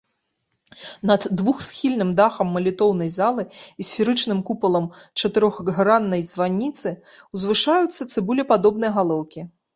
Над двухсхільным дахам малітоўнай залы і сферычным купалам чатырохграннай званіцы ўзвышаюцца цыбулепадобныя галоўкі.